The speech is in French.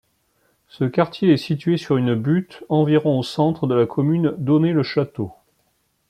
Ce quartier est situé sur une butte, environ au centre de la commune d'Onet-le-Château.